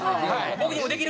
「僕にもできる！」